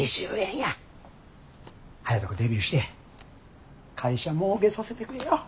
早いとこデビューして会社もうけさせてくれや。